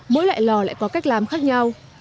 mỗi loại lò lại có cách làm khác nhau